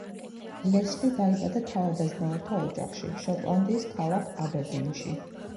ლესლი დაიბადა თავადაზნაურთა ოჯახში, შოტლანდიის ქალაქ აბერდინში.